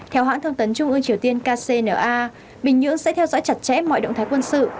theo hãng thông tấn trung ương triều tiên kcna bình nhưỡng sẽ theo dõi chặt chẽ mọi động thái quân sự